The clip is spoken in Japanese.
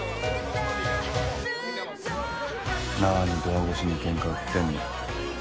何ドア越しにケンカ売ってんの。